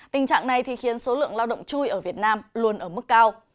tình trạng này thì khiến số lượng lao động chui ở việt nam luôn ở mức cao